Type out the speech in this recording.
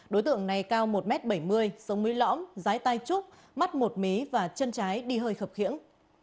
đối tượng này cao một m bảy mươi sống mới lõm rái tai trúc mắt một mí và chân trái đi hơi khập khiễng